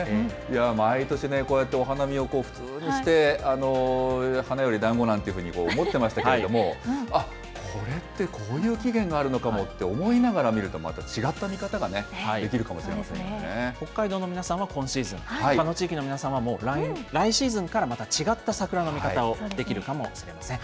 毎年こうやってお花見を普通にして、花よりだんごなんていうふうに思ってましたけれども、あっ、これってこういう起源があるのかもって思いながら見ると、また違った見方ができるかもしれま北海道の皆さんは、今シーズン、ほかの地域の皆さんは来シーズンからまた違ったサクラの見方をできるかもしれません。